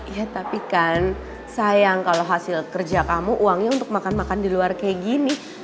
ya tapi kan sayang kalau hasil kerja kamu uangnya untuk makan makan di luar kayak gini